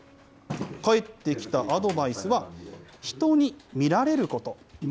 返ってきたアドバイスは、人に見られること。